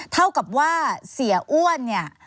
เท่ากับว่าเสียอ้วน